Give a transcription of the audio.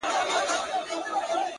په يو خـمـار په يــو نـسه كــي ژونــدون